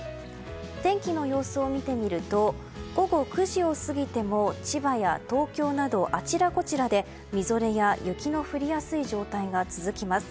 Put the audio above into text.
天気の様子を見てみると午後９時を過ぎても千葉や東京など、あちらこちらでみぞれや雪の降りやすい状態が続きます。